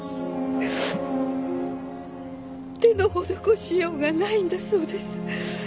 手の施しようがないんだそうです。